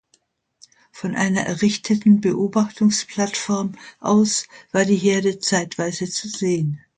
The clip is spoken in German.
Von einer errichteten Beobachtungsplattform aus war die Herde zeitweise zu sehen.